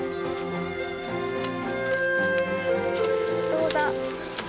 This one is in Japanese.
どうだ？